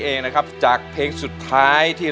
ยังไม่มีให้รักยังไม่มี